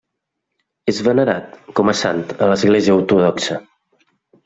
És venerat com a sant a l'Església Ortodoxa.